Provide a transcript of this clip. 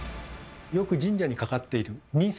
よく神社にかかっている御簾。